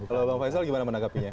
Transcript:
kalau bang faisal gimana menanggapinya